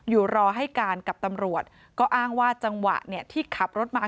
รอให้การกับตำรวจก็อ้างว่าจังหวะเนี่ยที่ขับรถมา